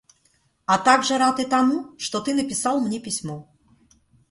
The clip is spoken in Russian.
А также рад и тому, что ты написал мне письмо.